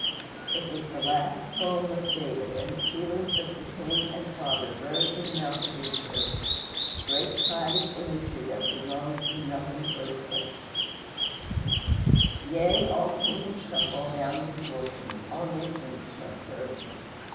It was the last poem of David, and the feelings of the king and father rose and melted into a great tide of imagery that belonged to nothing earthly: "Yea, all kings shall fall down before him; All nations shall serve him.